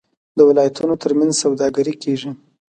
د ولایتونو ترمنځ سوداګري کیږي.